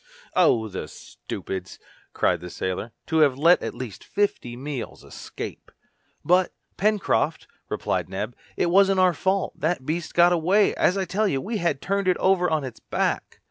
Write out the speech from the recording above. "Oh! the stupids!" cried the sailor, "to have let at least fifty meals escape!" "But, Pencroft," replied Neb, "it wasn't our fault that the beast got away, as I tell you, we had turned it over on its back!"